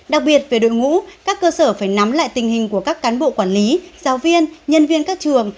đặc biệt về đội ngũ các cơ sở phải nắm lại tình hình của các cán bộ quản lý giáo viên nhân viên các trường